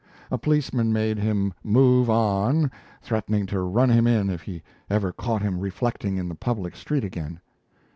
A policeman made him, move, on, threatening to run him in if he ever caught him reflecting in the public street again.